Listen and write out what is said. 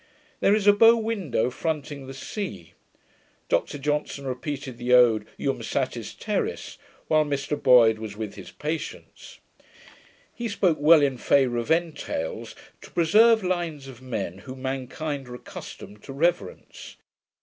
There is a bow window fronting the sea. Dr Johnson repeated the ode, Jam satis terris, while Mr Boyd was with his patients. He spoke well in favour of entails, to preserve lines of men whom mankind are accustomed to reverence.